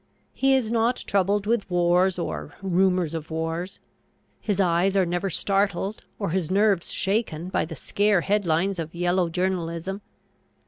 He is not troubled with wars or rumors of wars. His eyes are never startled or his nerves shaken by the scare headlines of yellow journalism.